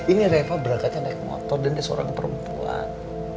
ini reva berangkatnya naik motor dan dia seorang perempuan